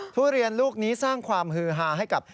ทุเรียนลูกนี้สร้างความฮือฮาให้กับ